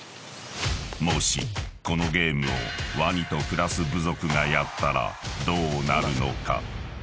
［もしこのゲームをワニと暮らす部族がやったらどうなるのか？］